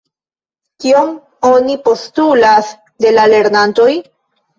Kion oni postulas de la lernantoj?